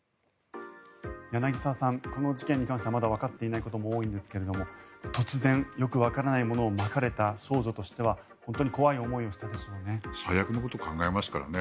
柳澤さん、この事件に関してはまだわかってないことが多いんですが突然、よくわからないものをまかれた少女としては本当に怖い思いをしたでしょうね。